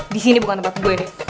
disini bukan tempat gue